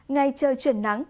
ngày trời truyền nắng